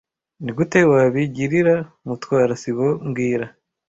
Nigute wabigirira Mutwara sibo mbwira